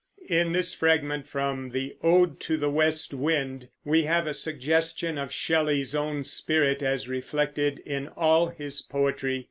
In this fragment, from the "Ode to the West Wind," we have a suggestion of Shelley's own spirit, as reflected in all his poetry.